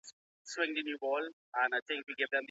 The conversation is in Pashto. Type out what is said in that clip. اوس سمندر تکرار دی